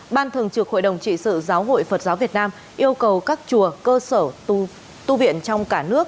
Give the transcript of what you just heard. ban thường trực hội đồng trị sự giáo hội phật giáo việt nam yêu cầu các chùa cơ sở tu viện trong cả nước